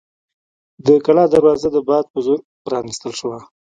د کلا دروازه د باد په زور پرانیستل شوه.